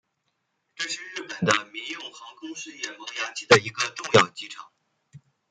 这是日本的民用航空事业萌芽期的一个重要机场。